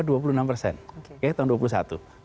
oke tahun dua puluh satu